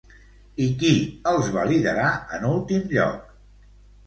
I qui els va liderar en últim lloc?